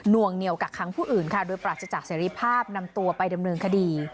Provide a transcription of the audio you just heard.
วงเหนียวกักค้างผู้อื่นค่ะโดยปราศจากเสรีภาพนำตัวไปดำเนินคดี